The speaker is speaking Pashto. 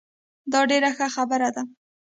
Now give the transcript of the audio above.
دا ډیره ښه خبره ده